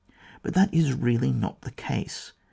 But that is really not the case.